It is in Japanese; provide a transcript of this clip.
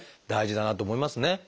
大事だなと思いますね。